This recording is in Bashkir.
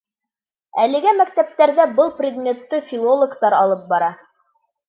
Әлегә мәктәптәрҙә был предметты филологтар алып бара.